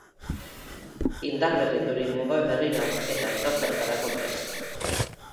Indarberriturik nengoen berriro, eta edozertarako prest.